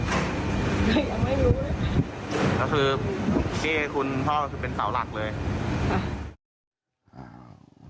ยังไม่รู้นะครับแล้วคือพี่คุณพ่อคือเป็นเตาหลักเลยค่ะ